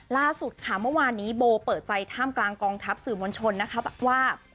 ล่าสุดค่ะเมื่อวานนี้โบเปิดใจท่ามกลางกองทัพสื่อมวลชนนะคะบอกว่า